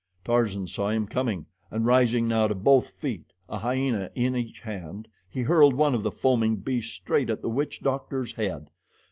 Tarzan saw him coming, and rising now to both feet, a hyena in each hand, he hurled one of the foaming beasts straight at the witch doctor's head.